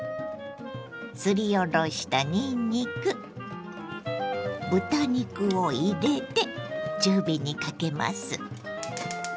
すりおろしたにんにく豚肉を入れて中火にかけます。